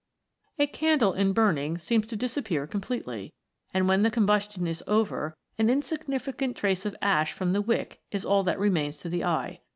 A candle in burning seems to disappear com pletely, and when the combustion is over, an insig nificant trace of ash from the wick is all that remains to the eye.